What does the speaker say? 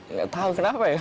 nggak tahu kenapa ya